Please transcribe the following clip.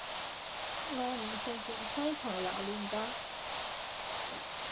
我唔食芫茜同榴連架